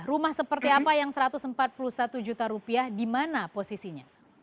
rumah seperti apa yang satu ratus empat puluh satu juta rupiah di mana posisinya